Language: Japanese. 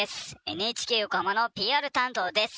ＮＨＫ横浜のＰＲ担当です。